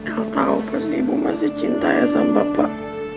aku tahu pasti ibu masih cinta ya sama bapak